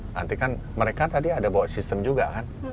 nanti kan mereka tadi ada bawa sistem juga kan